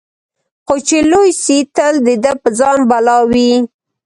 خو چي لوی سي تل د ده په ځان بلاوي